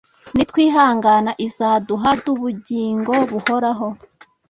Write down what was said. Nitwihangana izaduha dubugingo buhoraho